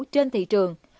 trên thị trường